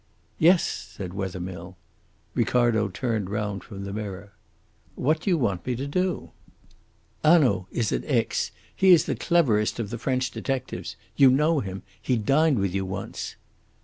"Yes," said Wethermill. Ricardo turned round from the mirror. "What do you want me to do?" "Hanaud is at Aix. He is the cleverest of the French detectives. You know him. He dined with you once."